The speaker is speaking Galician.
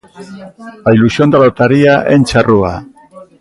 A ilusión da lotaría enche a rúa.